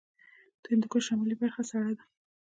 د هندوکش شمالي برخه سړه ده